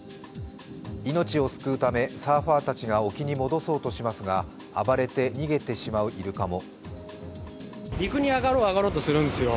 命を救うため、サーファーたちが沖に戻そうとしますが暴れて逃げてしまうイルカも。